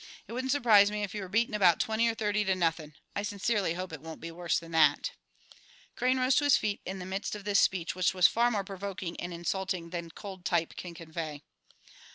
It wouldn't surprise me if you were beaten about twenty or thirty to nothing; I sincerely hope it won't be worse than that." Crane rose to his feet in the midst of this speech, which was far more provoking and insulting than cold type can convey.